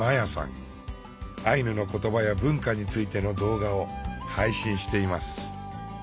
アイヌの言葉や文化についての動画を配信しています。